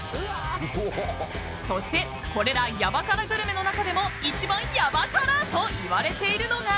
そしてこれらヤバ辛グルメの中でも一番ヤバ辛！といわれているのが